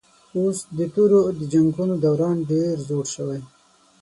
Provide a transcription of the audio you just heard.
اوس د تورو د جنګونو دوران ډېر زوړ شوی